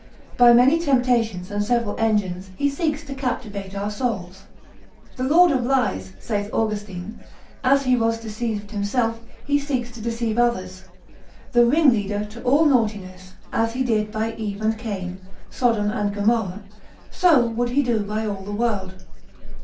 By many temptations and several engines, he seeks to captivate our souls. The Lord of Lies, saith Austin, as he was deceived himself, he seeks to deceive others, the ringleader to all naughtiness, as he did by Eve and Cain, Sodom and Gomorrah, so would he do by all the world.